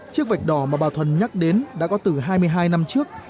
chiếc vạch đỏ mà bà thuần nhắc đến đã có từ hai mươi hai năm trước